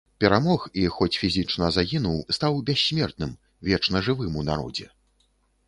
Перамог і, хоць фізічна загінуў, стаў бяссмертным, вечна жывым у народзе.